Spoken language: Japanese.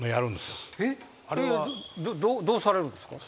どうされるんですか？